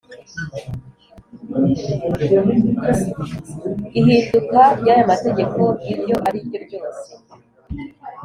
Ihinduka ry aya mategeko iryo ari ryo ryose